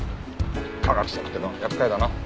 科学者ってのは厄介だな。